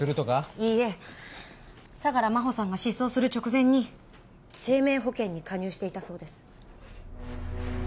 いいえ相良真帆さんが失踪する直前に生命保険に加入していたそうです。